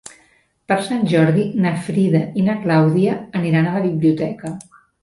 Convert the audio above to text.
Per Sant Jordi na Frida i na Clàudia aniran a la biblioteca.